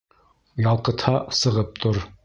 Ялҡытһа, сығып тор.